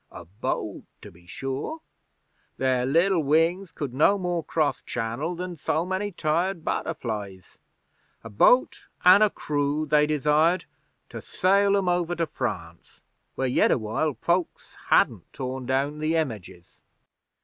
'A boat, to be sure. Their liddle wings could no more cross Channel than so many tired butterflies. A boat an' a crew they desired to sail 'em over to France, where yet awhile folks hadn't tore down the Images.